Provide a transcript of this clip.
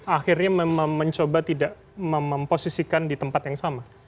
akhirnya mencoba tidak memposisikan di tempat yang sama